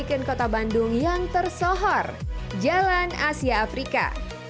ikon kota bandung yang tersohor jalan asia afrika